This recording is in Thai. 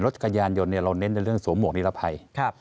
จักรยานยนต์เราเน้นในเรื่องสวมหวกนิรภัย